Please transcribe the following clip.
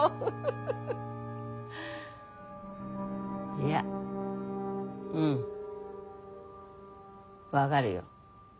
いやうん分がるよ。